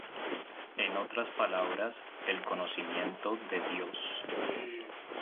En otras palabras, el conocimiento de Dios"".